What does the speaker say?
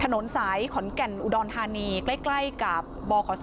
ถนนสายขอนแก่นอุดรธานีใกล้กับบขศ